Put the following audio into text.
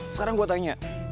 sekarang gue tanya